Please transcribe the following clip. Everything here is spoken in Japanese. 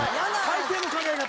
最低の考え方。